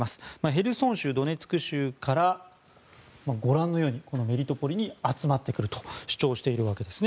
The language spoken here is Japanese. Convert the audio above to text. ヘルソン州、ドネツク州からご覧のようにメリトポリに集まってくると主張しているわけです。